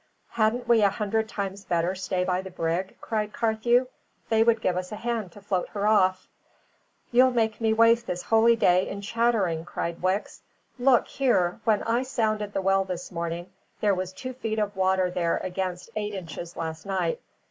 "Hadn't we a hundred times better stay by the brig?" cried Carthew. "They would give us a hand to float her off." "You'll make me waste this holy day in chattering!" cried Wicks. "Look here, when I sounded the well this morning, there was two foot of water there against eight inches last night.